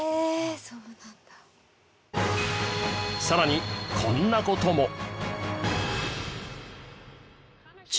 さらにこんな事も。